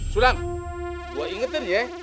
sulam gua ingetin ya